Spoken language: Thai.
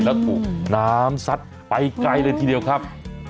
แล้วถูกน้ำซัดไปไกลเลยทีเดียวครับ